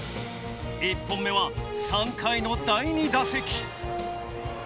１本目は３回の第２打席。